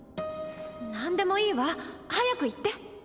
なんでもいいわ早く言って。